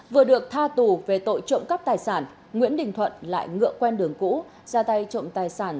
vừa được tha tù về tội trộm cắp tài sản nguyễn đình thuận lại ngựa quen đường cũ ra tay trộm tài sản